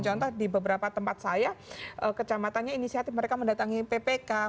contoh di beberapa tempat saya kecamatannya inisiatif mereka mendatangi ppk